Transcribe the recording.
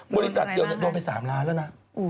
บริษัทเดียวโดนไป๓ล้านแล้วนะ